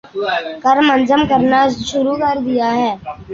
کر منظم کرنا شروع کر دیا ہے۔